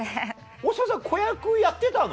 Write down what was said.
大島さん子役やってたの？